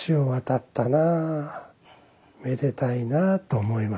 めでたいなあ」と思いますね。